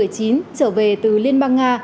trở về từ liên bang nga